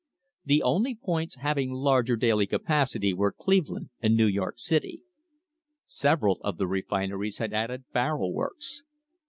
The only points having larger daily capacity were Cleveland and New York City. Several of the refineries had added barrel works.